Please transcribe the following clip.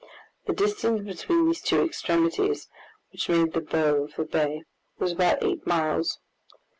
The distance between these two extremities, which made the bow of the bay, was about eight miles.